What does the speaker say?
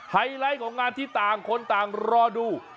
ไฮไลท์ของงานที่ต่างคนต่างรอดู